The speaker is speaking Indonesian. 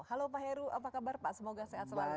halo pak heru apa kabar pak semoga sehat selalu